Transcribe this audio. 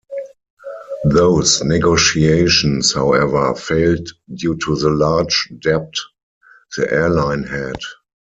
Those negotiations, however, failed due to the large debt the airline had.